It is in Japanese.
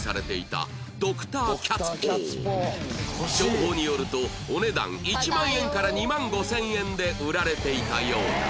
情報によるとお値段１万円から２万５０００円で売られていたようだ